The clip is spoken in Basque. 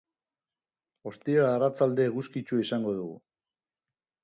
Ostiral arratsalde eguzkitsua izango dugu.